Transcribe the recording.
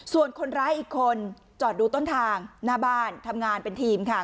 ส่วนคนร้ายอีกคนจอดดูต้นทางหน้าบ้านทำงานเป็นทีมค่ะ